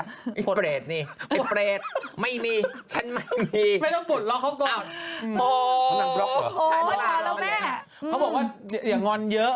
ไอ้เปรดนี่ไอ้เปรดไม่มีฉันไม่มี